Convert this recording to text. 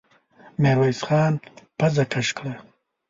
ميرويس خان پزه کش کړه.